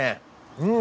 うん。